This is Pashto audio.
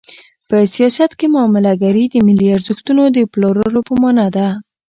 په سیاست کې معامله ګري د ملي ارزښتونو د پلورلو په مانا ده.